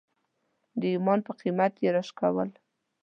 د ایمان په قیمت یې راوشکول.